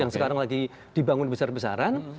yang sekarang lagi dibangun besar besaran